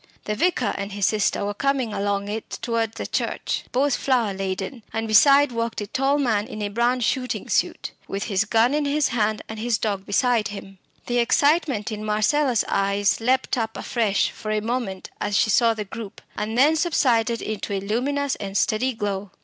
The vicar and his sister were coming along it towards the church, both flower laden, and beside walked a tall man in a brown shooting suit, with his gun in his hand and his dog beside him. The excitement in Marcella's eyes leapt up afresh for a moment as she saw the group, and then subsided into a luminous and steady glow.